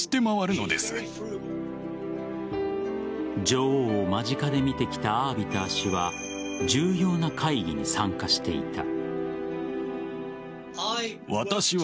女王を間近で見てきたアービター氏は重要な会議に参加していた。